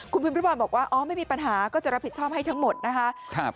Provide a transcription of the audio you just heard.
คุณพิมพิวัลบอกว่าอ๋อไม่มีปัญหาก็จะรับผิดชอบให้ทั้งหมดนะคะ